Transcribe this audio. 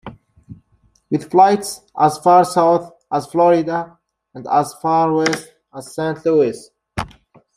With flights as far south as Florida, and as far west as Saint Louis.